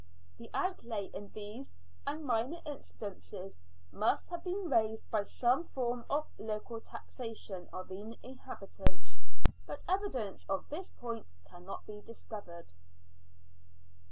The outlay in these and minor incidents must have been raised by some form of local taxation on the inhabitants, but evidence on this point cannot be discovered.